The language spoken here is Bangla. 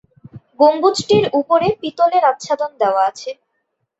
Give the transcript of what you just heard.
গম্বুজটির উপরে পিতলের আচ্ছাদন দেওয়া আছে।